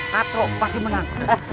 katron pasti menang